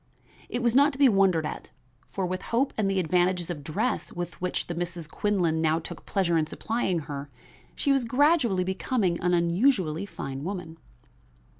It was not to be wondered at, for with hope and the advantages of dress with which the Misses Quinlan now took pleasure in supplying her, she was gradually becoming an unusually fine woman.